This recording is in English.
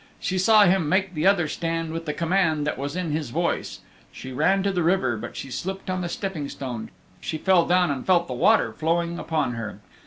She saw him make the other stand with the command that was in his voice. She ran to the river, but she slipped on the stepping stones; she fell down and she felt the water flowing upon her.